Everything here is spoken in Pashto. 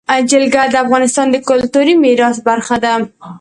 جلګه د افغانستان د کلتوري میراث برخه ده.